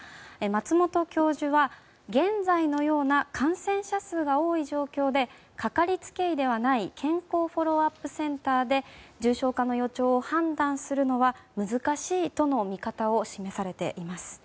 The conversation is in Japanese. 松本教授は現在のような感染者数が多い状況でかかりつけ医ではない健康フォローアップセンターで重症化の予兆を判断するのは難しいとの見方を示されています。